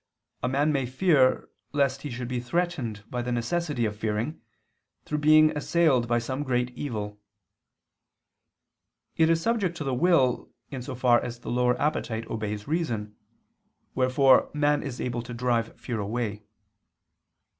a man may fear lest he should be threatened by the necessity of fearing, through being assailed by some great evil. It is subject to the will, in so far as the lower appetite obeys reason; wherefore man is able to drive fear away.